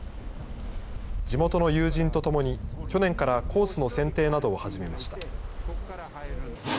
地元の友人と共に去年からコースの選定などを始めました。